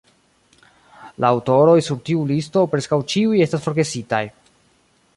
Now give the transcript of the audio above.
La aŭtoroj sur tiu listo preskaŭ ĉiuj estas forgesitaj.